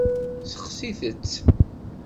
Seɣti-tt.